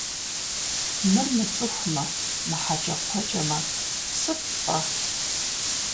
Мыр мыцӀыхумэ, мыхьэкӀэкхъуэкӀэмэ, сыт–тӀэ?